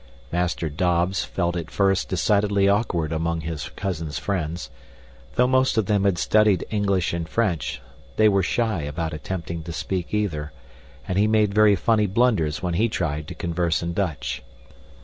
Master Dobbs felt at first decidedly awkward among his cousin's friends. Though most of them had studied English and French, they were shy about attempting to speak either, and he made very funny blunders when he tried to converse in Dutch.